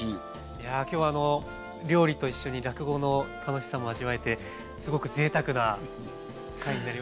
いや今日はあの料理と一緒に落語の楽しさも味わえてすごくぜいたくな回になりました。